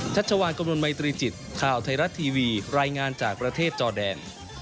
ชัชวานกระมวลมัยตรีจิตข่าวไทยรัฐทีวีรายงานจากประเทศจอแดน